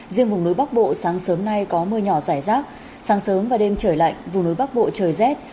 riêng vùng núi bắc bộ sáng sớm nay có mưa nhỏ rải rác sáng sớm và đêm trời lạnh vùng núi bắc bộ trời rét